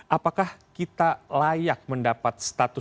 apakah kita layak mendapat status